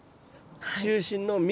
中心の実。